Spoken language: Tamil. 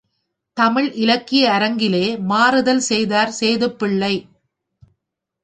தமிழ் இலக்கிய அரங்கிலே மாறுதல் செய்தார் சேதுப்பிள்ளை.